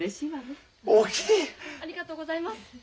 ありがとうございます。